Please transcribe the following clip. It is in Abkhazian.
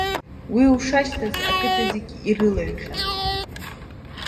Уи ушашьҭаз ақыҭа зегьы ирылаҩхьан.